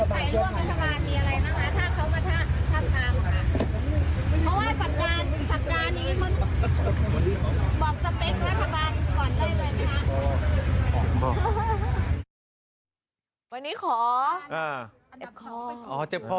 เพราะว่าสัตว์การสัตว์การนี้มันบอกสเปครัฐบาลก่อนได้เลยไหมคะ